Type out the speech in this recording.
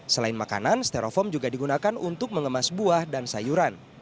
selain makanan sterofom juga digunakan untuk mengemas buah dan sayuran